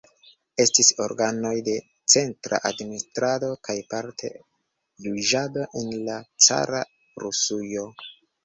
Estis organoj de centra administrado kaj parte juĝado en la cara Rusujo.